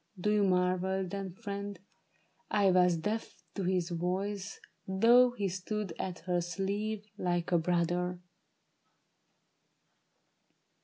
Do you marvel, then, friend, I was deaf to his voice, though he stood at her sleeve Like a brother